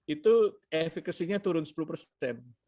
itu efekasinya turun sepuluh persen